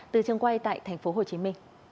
từ chương quay tại tp hcm